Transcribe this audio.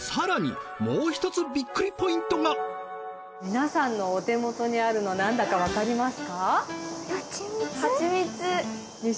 皆さんのお手元にあるのなんだかわかりますか？